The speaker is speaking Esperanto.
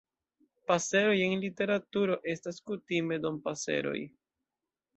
Paseroj en literaturo estas kutime Dompaseroj.